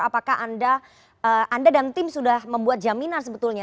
apakah anda dan tim sudah membuat jaminan sebetulnya